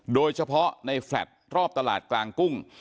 โดยเฉพาะในแฟลต์รอบตลาดกลางกุ้ง